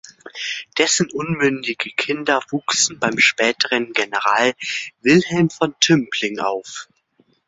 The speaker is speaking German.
Dessen unmündige Kinder wuchsen beim späteren General Wilhelm von Tümpling auf.